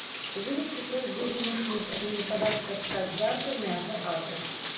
У выніку той быў вымушаны пракаментаваць каскад жартаў на яго адрас.